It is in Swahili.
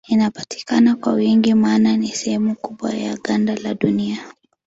Inapatikana kwa wingi maana ni sehemu kubwa ya ganda la Dunia.